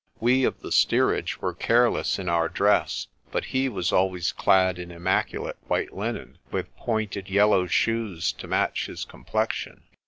We of the steerage were careless in our dress, but he was always clad in immaculate white linen, with pointed, yellow shoes to match his complexion.